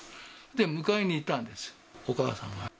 迎えに行ったんです、お母さんが。